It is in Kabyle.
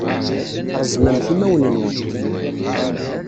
Reẓmemt imawen-nwent!